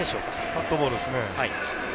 カットボールですね。